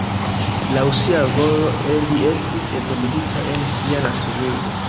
Laŭ sia volo li estis entombigita en sia naskiĝurbo.